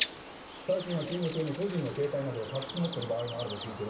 最近は勤務中に個人の携帯などを隠し持ってる場合もあると聞いてる。